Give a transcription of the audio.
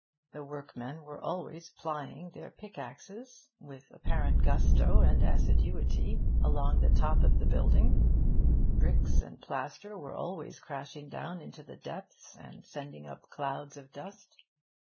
The workmen were always plying their pick axes, with apparent gusto and assiduity, along the top of the building; bricks and plaster were always crashing down into the depths and sending up clouds of dust.